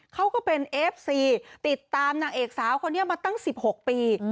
เขาก็เป็นเอฟซีติดตามนางเอกสาวคนนี้มาตั้ง๑๖ปี